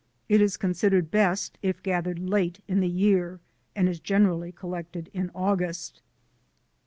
It is considered best if gathered late in the year, and is generally collected in August.